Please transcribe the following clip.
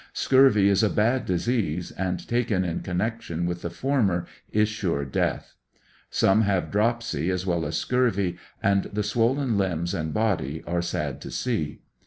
Scurvy is a bad disease, and taken in con nection with the former is sure death. Some have dropsy as well as scurvy, and the swollen limbs and body are sad to see.